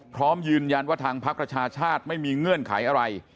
พร้อมยืนยันว่าทางพักประชาชาติไม่มีเงื่อนไขอะไร